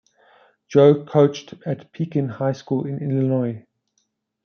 Joe coached at Pekin High School in Illinois.